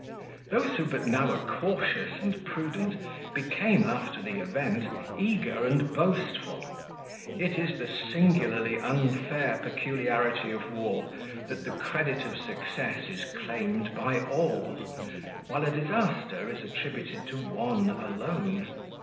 Those who but now were cautious and prudent, became after the event eager and boastful. It is the singularly unfair peculiarity of war that the credit of success is claimed by all, while a disaster is attributed to one alone.